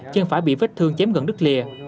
chân phải bị vết thương chém gần đứt lìa